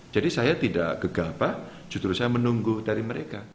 jadi saya tidak gegah apa justru saya menunggu dari mereka